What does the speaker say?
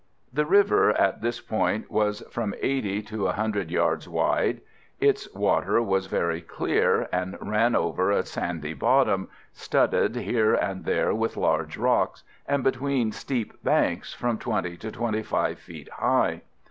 The river at this part was from 80 to a 100 yards wide; its water was very clear, and ran over a sandy bottom, studded here and there with large rocks, and between steep banks, from 20 to 25 feet high.